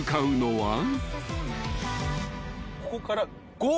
ここから。